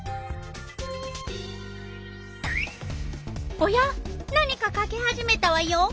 おや何か書き始めたわよ。